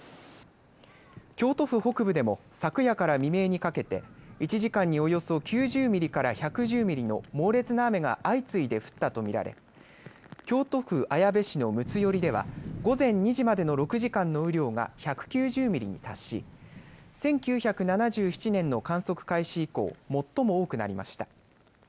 京都府北部でも昨夜から未明にかけて１時間におよそ９０ミリから１１０ミリの猛烈な雨が相次いで降ったと見られ京都府綾部市の睦寄では午前２時までの６時間の雨量が１９０ミリに達し、１９７７年の観測開始以降最も多くなりました。